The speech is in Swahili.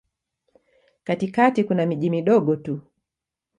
Katikati kuna miji midogo tu.